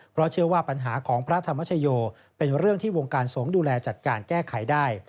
เพราะเชื่อว่าปัญหาของพระธรรมชโยเป็นเรื่องที่วงการสงฆ์ดูแลจัดการแก้ไขได้